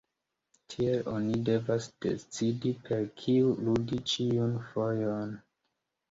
Tiele oni devas decidi per kiu ludi ĉiun fojon.